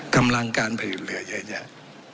กำลังการผลิตเหลือเยอะแยะ